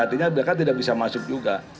artinya mereka tidak bisa masuk juga